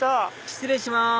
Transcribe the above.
失礼します